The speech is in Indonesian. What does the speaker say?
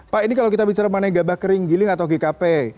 pak ini kalau kita bicara mengenai gabah kering giling atau gkp